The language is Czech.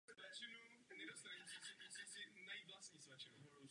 Závěrem ještě slovo o svobodě sdělovacích prostředků.